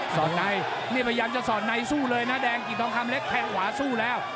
อดในนี่พยายามจะสอดในสู้เลยนะแดงกิจทองคำเล็กแทงขวาสู้แล้ว